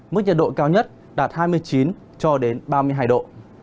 mức nhiệt độ cao nhất đạt hai mươi chín cho đến ba mươi hai độ